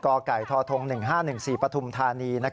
กธ๑๕๑๔ปฐุมธานี